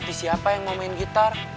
di siapa yang mau main gitar